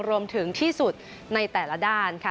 รวมถึงที่สุดในแต่ละด้านค่ะ